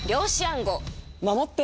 守って。